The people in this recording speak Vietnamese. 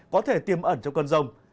có thể tiêm ẩn trong cơn rông